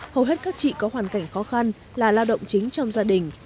hầu hết các chị có hoàn cảnh khó khăn là lao động chính trong gia đình